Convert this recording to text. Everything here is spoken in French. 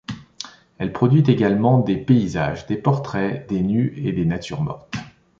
Elle produit également des paysages, des portraits, des nus et des natures mortes.